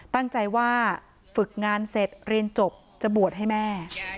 ตั้งใจว่าฝึกงานเสร็จเรียนจบจะบวชให้แม่